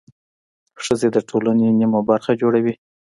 ښځې د ټولنې نميه برخه جوړوي.